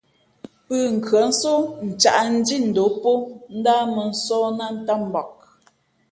Pʉ̂nkhʉ̄ᾱ nsō ncǎʼ ndhí ndǒm pó náh mᾱ nsóh nát ntám mbak.